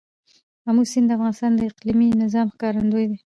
آمو سیند د افغانستان د اقلیمي نظام ښکارندوی دی.